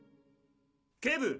警部！